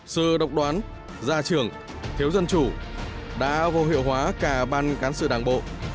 sự độc đoán gia trưởng thiếu dân chủ đã vô hiệu hóa cả ban cán sự đảng bộ